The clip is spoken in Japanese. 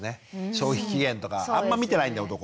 消費期限とかあんま見てないんだよ男。